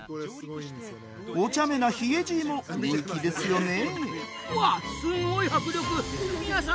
おちゃめな、ヒゲじいも人気ですよね。